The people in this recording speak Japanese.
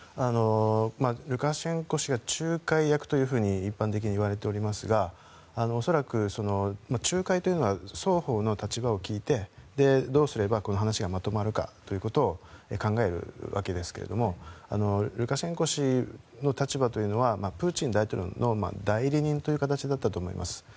ルカシェンコ氏が仲介役というふうに一般的に言われていますが恐らく、仲介というのは双方の立場を聞いてどうすれば、この話がまとまるかということを考えるわけですけどもルカシェンコ氏の立場というのはプーチン大統領の代理人という形だと思います。